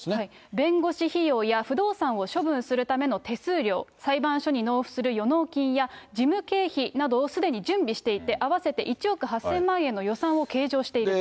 弁護士費用や不動産を処分するための手数料、裁判所に納付する予納金や事務経費などをすでに準備していて、合わせて１億８０００万円の予算を計上していると。